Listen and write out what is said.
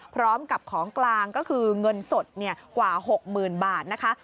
พร้อมกับของกลางก็คือเงินสดกว่า๖๐๐๐บาทนะคะ